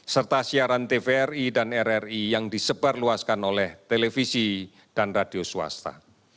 serta siaran tvri dan rri yang disebarluaskan oleh televisi dan radio swasta